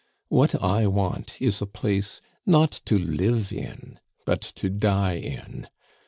What I want is a place not to live in, but to die in.